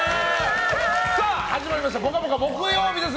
さあ、始まりました「ぽかぽか」木曜日です。